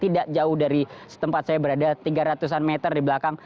tidak jauh dari tempat saya berada tiga ratus an meter di belakang